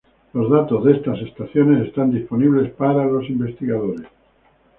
Los datos de estas estaciones están disponibles para los investigadores.